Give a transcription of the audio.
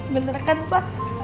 bener kan pa